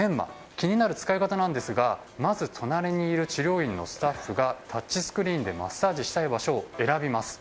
気になる使い方ですがまず隣にいる治療院のスタッフがタッチスクリーンでマッサージしたい場所を選びます。